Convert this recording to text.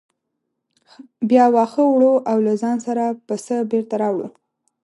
بیا واښه وړو او له ځانه سره پسه بېرته راوړو.